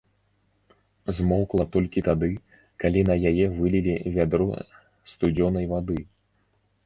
Змоўкла толькі тады, калі на яе вылілі вядро студзёнай вады.